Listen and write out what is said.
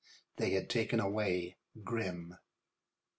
They had taken away Grimm.